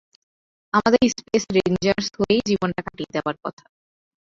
আমাদের space rangers হয়েই জীবনটা কাটিয়ে দেবার কথা।